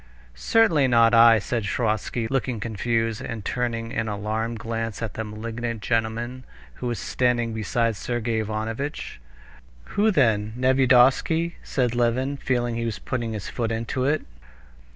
"Certainly not I," said Sviazhsky, looking confused, and turning an alarmed glance at the malignant gentleman, who was standing beside Sergey Ivanovitch. "Who then? Nevyedovsky?" said Levin, feeling he was putting his foot into it.